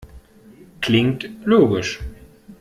Klingt logisch.